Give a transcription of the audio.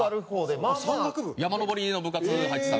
山登りの部活入ってたので。